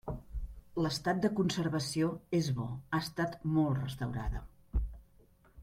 L'estat de conservació és bo, ha estat molt restaurada.